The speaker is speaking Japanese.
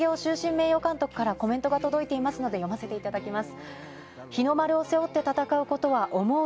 名誉監督からコメントが届いていますので読ませていただきます。